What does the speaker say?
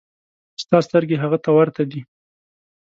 ستا سترګې هغه ته ورته دي.